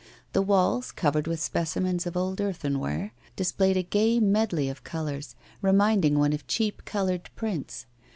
The walls, covered with specimens of old earthenware, displayed a gay medley of colours, reminding one of cheap coloured prints.